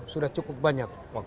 sudah cukup banyak